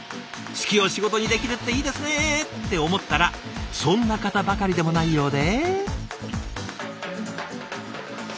好きを仕事にできるっていいですね！って思ったらそんな方ばかりでもないようで。